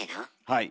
はい。